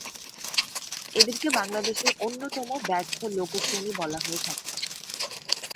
এদেরকে বাংলাদেশের অন্যতম ব্যর্থ লোকো শ্রেণী বলা হয়ে থাকে।